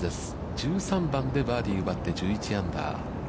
１３番でバーディーを奪って、１１アンダー。